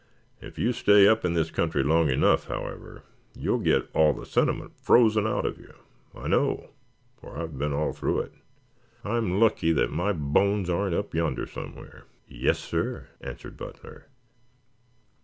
"If you stay up in this country long enough, however, you will get all the sentiment frozen out of you. I know, for I've been all through it. I'm lucky that my bones aren't up yonder somewhere." "Yes, sir," answered Butler.